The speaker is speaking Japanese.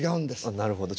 なるほど。